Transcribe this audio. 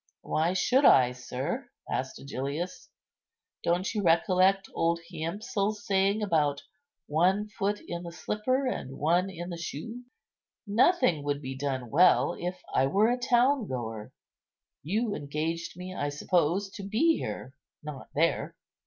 "Why should I, sir?" asked Agellius; "don't you recollect old Hiempsal's saying about 'one foot in the slipper, and one in the shoe.' Nothing would be done well if I were a town goer. You engaged me, I suppose, to be here, not there."